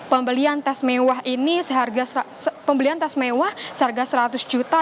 pembelian tes mewah ini seharga seratus juta